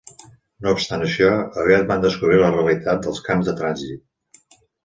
No obstant això, aviat van descobrir la realitat dels camps de trànsit.